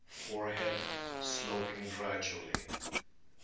Forehead sloping gradually.